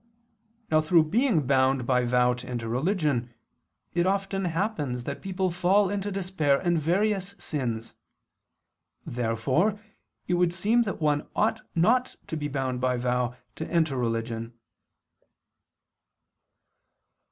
Now through being bound by vow to enter religion it often happens that people fall into despair and various sins. Therefore it would seem that one ought not to be bound by vow to enter religion.